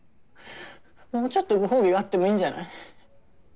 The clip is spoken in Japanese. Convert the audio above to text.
もうちょっとご褒美があってもいいんじゃない？